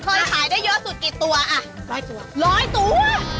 เคยขายได้เยอะสุดกี่ตัวอ่ะ๑๐๐ตัว๑๐๐ตัว